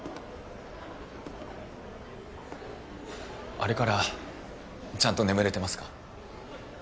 あれからちゃんと眠れてますか？